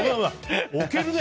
置けるね。